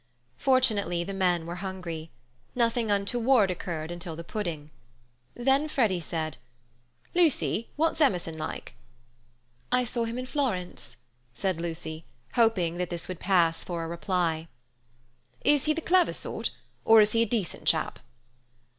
Fortunately, the men were hungry. Nothing untoward occurred until the pudding. Then Freddy said: "Lucy, what's Emerson like?" "I saw him in Florence," said Lucy, hoping that this would pass for a reply. "Is he the clever sort, or is he a decent chap?"